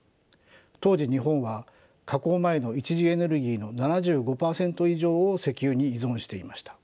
当時日本は加工前の一次エネルギーの７５％以上を石油に依存していました。